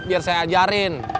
biar saya ajarin